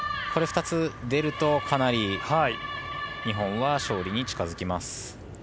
これが２つ出るとかなり日本は勝利に近づきます。